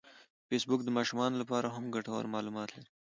فېسبوک د ماشومانو لپاره هم ګټور معلومات لري